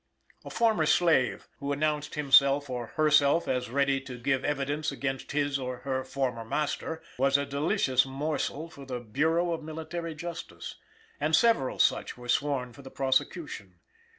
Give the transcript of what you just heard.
A former slave, who announced himself or herself as ready to give evidence against his or her former master, was a delicious morsel for the Bureau of Military Justice; and several such were sworn for the prosecution.